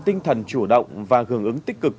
tinh thần chủ động và hưởng ứng tích cực